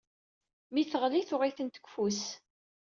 Mi teɣli, tuɣ-itent deg ufus.